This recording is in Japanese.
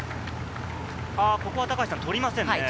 あ、ここは取りませんね。